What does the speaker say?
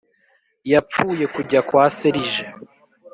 yapfuye kujya kwa serije